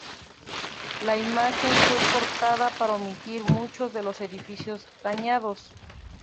La imagen fue recortada para omitir muchos de los edificios dañados.